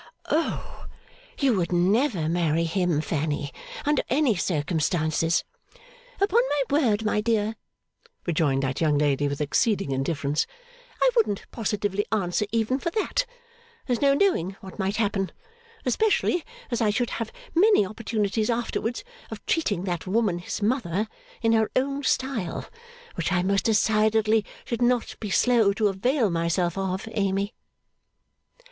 'O, you would never marry him, Fanny, under any circumstances.' 'Upon my word, my dear,' rejoined that young lady with exceeding indifference, 'I wouldn't positively answer even for that. There's no knowing what might happen. Especially as I should have many opportunities, afterwards, of treating that woman, his mother, in her own style. Which I most decidedly should not be slow to avail myself of, Amy.